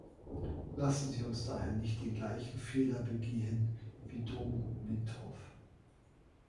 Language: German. Lassen Sie uns daher nicht den gleichen Fehler begehen wie Dom Mintoff.